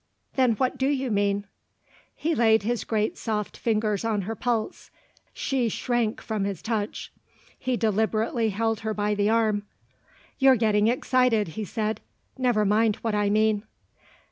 "Then what do you mean?" He laid his great soft fingers on her pulse. She shrank from his touch; he deliberately held her by the arm. "You're getting excited," he said. "Never mind what I mean."